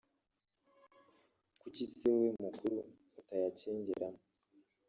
kuki se wowe mukuru utayacengeramo